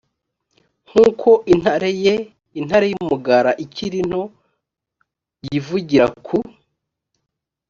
nk uko intare yee intare y umugara ikiri nto o yivugira ku